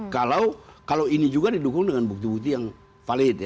kalau ini juga didukung dengan bukti bukti yang valid